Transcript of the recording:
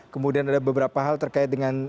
kemudian ada beberapa hal terkait dengan